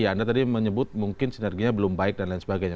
anda tadi menyebut mungkin sinerginya belum baik dan lain sebagainya